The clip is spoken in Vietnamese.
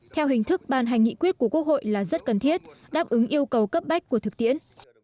theo hình thức ban hành nghị quyết của quốc hội là rất cần thiết đáp ứng yêu cầu cấp bách của thực tiễn